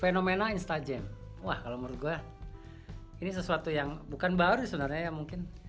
fenomena instajam wah kalau menurut gue ini sesuatu yang bukan baru sebenarnya ya mungkin